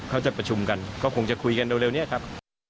เขาจะประชุมกันก็คงจะคุยกันเร็วนี้ครับ